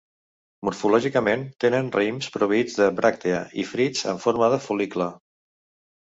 Morfològicament tenen raïms proveïts de bràctea i frits amb forma de fol·licle.